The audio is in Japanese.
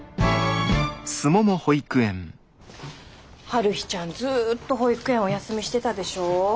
春陽ちゃんずっと保育園お休みしてたでしょ？